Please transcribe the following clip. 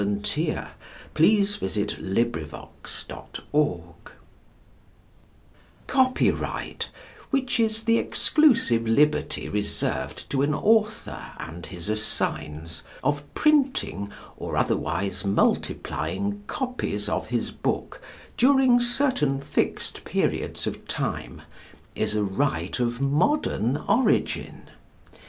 A FEW WORDS ABOUT COPYRIGHT IN BOOKS Copyright, which is the exclusive liberty reserved to an author and his assigns of printing or otherwise multiplying copies of his book during certain fixed periods of time, is a right of modern origin.